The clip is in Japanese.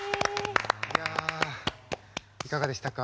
いやいかがでしたか？